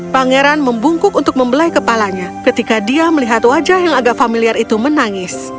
pangeran membungkuk untuk membelai kepalanya ketika dia melihat wajah yang agak familiar itu menangis